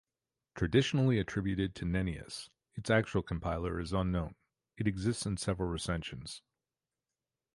Traditionally attributed to Nennius, its actual compiler is unknown; it exists in several recensions.